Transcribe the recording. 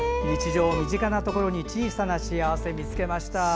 日常の身近なところに小さな幸せを見つけました。